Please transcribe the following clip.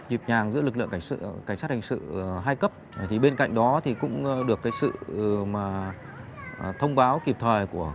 nhịp nhàng giữa lực lượng cảnh sát hình sự hai cấp bên cạnh đó thì cũng được sự thông báo kịp thời của